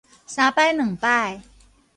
三擺兩擺